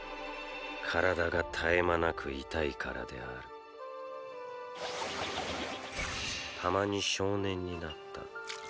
体が絶え間なく痛いからであるたまに少年になった。